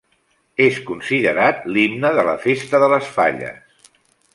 És considerat l'himne de la festa de les Falles.